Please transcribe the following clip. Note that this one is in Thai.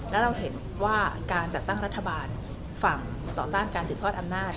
แล้วเราเห็นว่าการจัดตั้งรัฐบาลฝั่งต่อต้านการสืบทอดอำนาจ